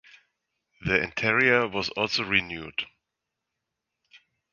The interior was also renewed.